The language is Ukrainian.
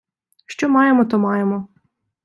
Що маємо, то маємо.